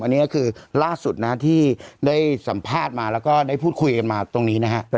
อันนี้ก็คือล่าสุดนะที่ได้สัมภาษณ์มาแล้วก็ได้พูดคุยกันมาตรงนี้นะฮะ